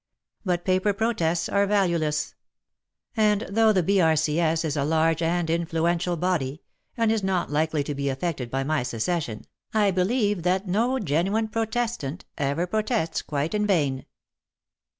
But paper pro tests are valueless. And though the B.R.C.S. is a large and influential body, and is not likely to be affected by my secession, I believe that no genuine pro/^j/ ant ever protests quite in vain.